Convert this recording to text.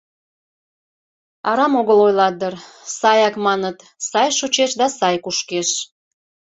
Арам огыл ойлат дыр: «Саяк, — маныт, — сай шочеш да сай кушкеш».